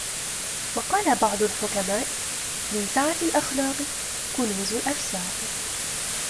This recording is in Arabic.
وَقَالَ بَعْضُ الْحُكَمَاءِ مِنْ سَعَةِ الْأَخْلَاقِ كُنُوزُ الْأَرْزَاقِ